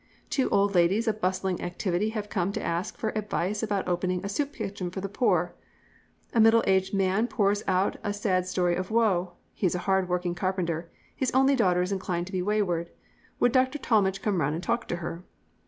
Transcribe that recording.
Two old ladies of bustling activity have come to ask for advice about opening a soup kitchen for the poor. A middle aged man pours out a sad story of woe. He is a hard working carpenter. His only daughter is inclined to be wayward. Would Dr. Talmage come round and talk to her?